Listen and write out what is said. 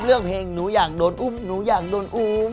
เรื่องเพลงหนูอยากโดนอุ้มหนูอยากโดนอุ้ม